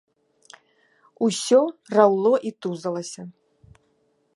Усё раўло і тузалася.